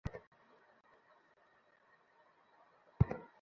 তাঁর অবস্থার আরও অবনতি হলে তাঁকে ঢাকা মেডিকেল কলেজ হাসপাতালে পাঠানো হয়।